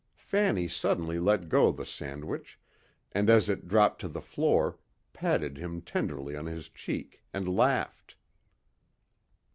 Fanny suddenly let go the sandwich and as it dropped to the floor, patted him tenderly on his cheek and laughed.